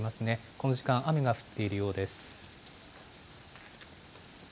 この時間、雨が降っているようです。